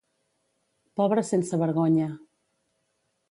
Pobre sense vergonya.